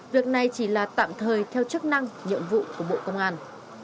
việc này chỉ là tạm thời theo chức năng nhiệm vụ của bộ công an